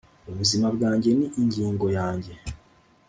ubuzima bwanjye ni ingingo yanjye.